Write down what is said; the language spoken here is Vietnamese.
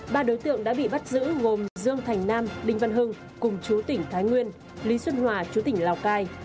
ba đối tượng đã bị bắt giữ gồm dương thành nam đinh văn hưng cùng chú tỉnh thái nguyên lý xuân hòa chú tỉnh lào cai